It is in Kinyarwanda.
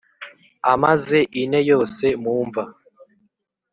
amaze ine yose mu mva?